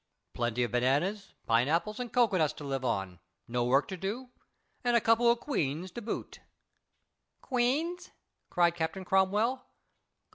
Plenty of bananas, pineapples and cocoanuts to live on, no work to do, and a couple of queens to boot." "Queens?" cried Captain Cromwell.